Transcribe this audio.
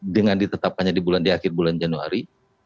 dengan ditetapkannya di akhir bulan januari